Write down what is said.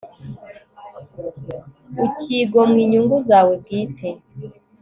ukigomwa inyungu zawe bwite